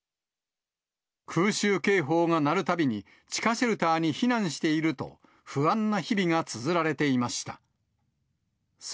空襲警報が鳴るたびに、地下シェルターに避難していると不安な日々がつづられていました。